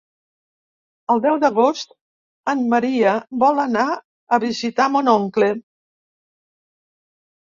El deu d'agost en Maria vol anar a visitar mon oncle.